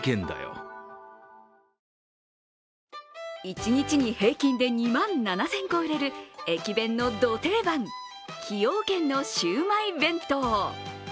一日に平均で２万７０００個売れる駅弁のド定番崎陽軒のシウマイ弁当。